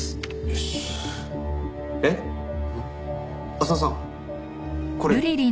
浅輪さんこれ。